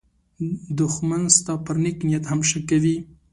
دښمن ستا پر نېک نیت هم شک کوي